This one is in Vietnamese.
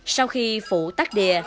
sau khi phụ tác đìa